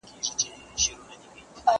زه به سبا د کتابتوننۍ سره خبري وکړم!